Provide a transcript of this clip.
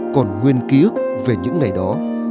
còn nguyên ký ức về những ngày đó